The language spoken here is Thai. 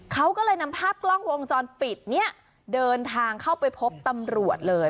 เขาก็เลยนำภาพกล้องวงจรปิดเนี่ยเดินทางเข้าไปพบตำรวจเลย